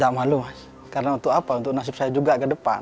tidak malu mas karena untuk apa untuk nasib saya juga ke depan